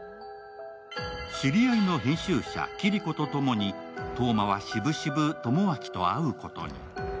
知り合いの編集者・霧子とともに燈真はしぶしぶ朋晃と会うことに。